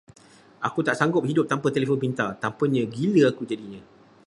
Aku tak sanggup hidup tanpa telefon pintar, tanpanya gila aku jadinya.